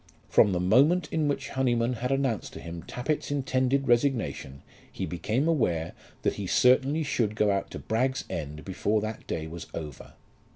From the moment in which Honyman had announced to him Tappitt's intended resignation he became aware that he certainly should go out to Bragg's End before that day was over.